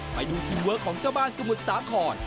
ไปดูทีมเวิร์คของเจ้าบ้านสมุทรสาคร